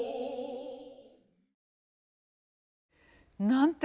なんて